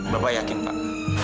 bapak yakin pak